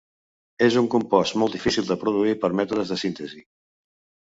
És un compost molt difícil de produir per mètodes de síntesi.